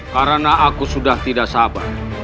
karena aku sudah tidak sabar